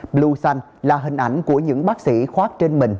blue xanh là hình ảnh của những bác sĩ khoát trên mình